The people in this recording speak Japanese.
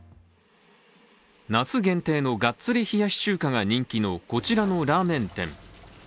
夏限定のがっつり冷やし中華が人気のこちらのラーメン店。